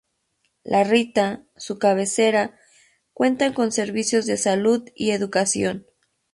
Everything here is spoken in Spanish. La Rita, su cabecera, cuentan con servicios de salud y educación.